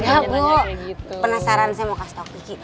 enggak bu penasaran saya mau kasih tahu ke suki